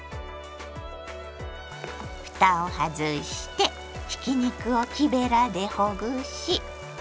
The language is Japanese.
ふたを外してひき肉を木べらでほぐし